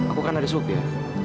aku kan ada sup ya